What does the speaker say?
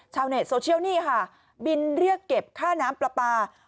ชาวเน็ตโซเชียลนี่ค่ะบินเรียกเก็บค่าน้ำปลาปลา